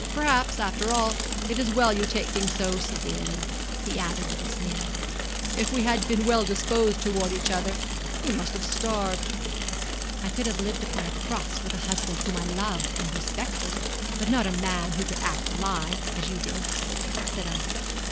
Perhaps, after all, it is as well you take things so severely,' he added, with a sneer. 'If we had been well disposed towards each other, we must have starved.' 'I could have lived upon a crust with a husband whom I loved and respected; but not with a man who could act a lie, as you did,' said Ida.